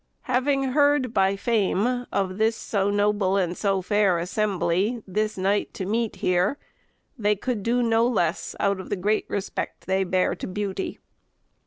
having heard by fame Of this so noble and so fair assembly, This night to meet here, they could do no less, Out of the great respect they bear to beauty."